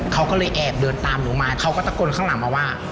เขาก็เลยแอบเดินตามหนูมาเขาก็ตะโกนข้างหลังมาว่า